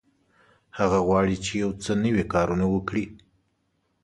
هغه غواړي چې یو څه نوي کارونه وکړي.